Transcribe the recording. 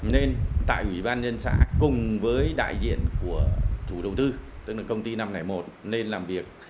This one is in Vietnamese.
nên tại ủy ban nhân xã cùng với đại diện của chủ đầu tư tức là công ty năm trăm linh một lên làm việc